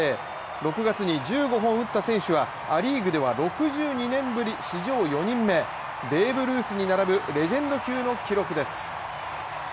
６月に１５本打った選手はア・リーグでは６２年ぶり史上４人目ベーブ・ルースに並ぶレジェンド級の記録です。